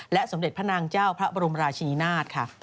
สมเด็จพระนางเจ้าพระบรมราชนีนาฏค่ะ